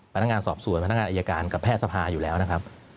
พนักงานสอบส่วนพนักงานอายการกับแพทย์สภาอยู่แล้วนะครับ